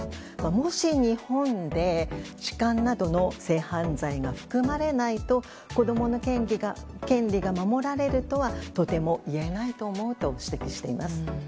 もし日本で痴漢などの性犯罪が含まれないと子供の権利が守られるとはとてもいえないと思うと指摘しています。